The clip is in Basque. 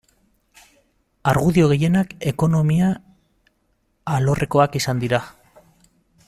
Argudio gehienak ekonomia alorrekoak izan dira.